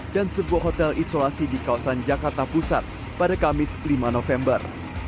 dan sebuah hotel isolasi di kawasan jakarta pusat pada kamis lima november